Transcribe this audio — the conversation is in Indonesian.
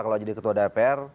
kalau jadi ketua dpr